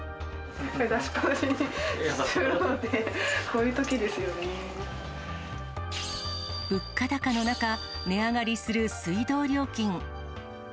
出しっ放しにするので、物価高の中、値上がりする水道料金。